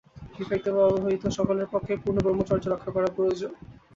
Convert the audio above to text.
বিবাহিত বা অবিবাহিত সকলের পক্ষেই পূর্ণ ব্রহ্মচর্য রক্ষা করা প্রয়োজন।